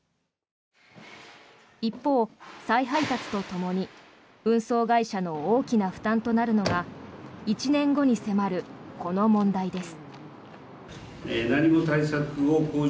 一方、再配達とともに運送会社の大きな負担となるのが１年後に迫る、この問題です。